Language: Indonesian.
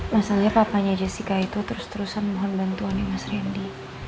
masalahnya papanya jessica itu terus terusan mohon bantuannya mas randy